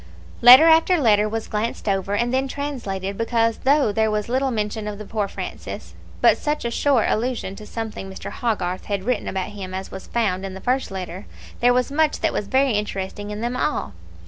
Letter after letter was glanced over, and then translated, because though there was little mention of the poor Francis, but such a short allusion to something Mr. Hogarth had written about him as was found in the first letter, there was much that was very interesting in them all.